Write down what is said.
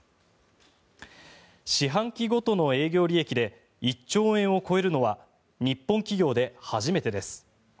四半期ごとの営業利益で１兆円を超えるのは日本企業で初めてです。